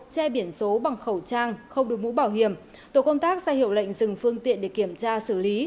che biển số bằng khẩu trang không đủ mũ bảo hiểm tổ công tác ra hiệu lệnh dừng phương tiện để kiểm tra xử lý